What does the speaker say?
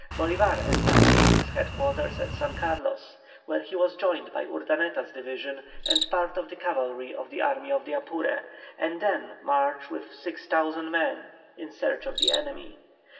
Bolívar established his head quarters at San Carlos, where he was joined by Urdaneta's division and part of the cavalry of the Army of the Apure, and then marched with 6,000 men in search of the enemy.